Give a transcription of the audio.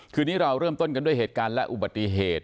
คืนนี้เราเริ่มต้นกันด้วยเหตุการณ์และอุบัติเหตุ